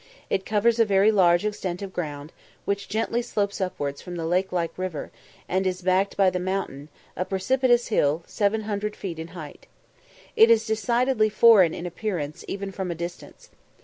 It covers a very large extent of ground, which gently slopes upwards from the lake like river, and is backed by the Mountain, a precipitous hill, 700 feet in height. It is decidedly foreign in appearance, even from a distance.